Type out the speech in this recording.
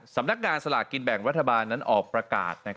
สำนักงานสลากกินแบ่งรัฐบาลนั้นออกประกาศ